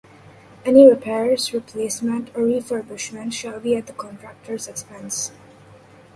Any repairs, replacement, and refurbishment shall be at the Contractor’s expense.